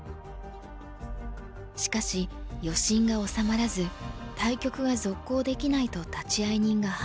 しかし余震が収まらず対局が続行できないと立会人が判断。